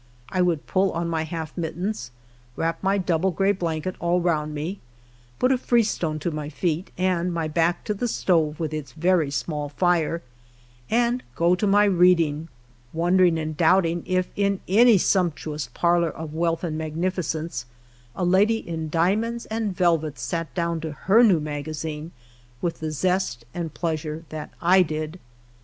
I would pull on my half mittens, w^rap my double, gray blanket all around me, put a freestone to my feet, and my back to the stove with its very small fire, and go to my reading, wondering and doubting if in any sumptuous parlor of wealth and magnificence a lady in diamonds and velvets sat down to her new magazine with the zest and pleasure that I did.